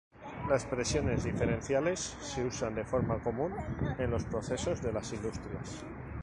Las presiones diferenciales se usan de forma común en los procesos de las industrias.